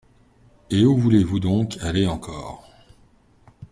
Et où voulez-vous donc aller encore ?